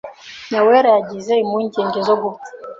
Nyawera yagize impungenge zo gupfa.